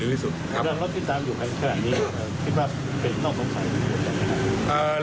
เรื่องรถติดตามอยู่ใครขนาดนี้คิดว่าเป็นนอกสงสัย